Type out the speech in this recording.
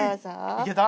いけた？